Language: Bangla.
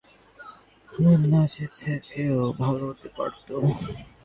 তোমার রান্না খুব ভালো, কিন্তু তোমার নাচ এর থেকেও ভালো হতে পারত।